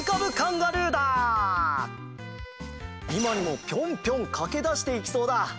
いまにもぴょんぴょんかけだしていきそうだ！